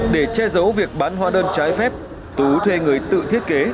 để che giấu việc bán hóa đơn trái phép tú thuê người tự thiết kế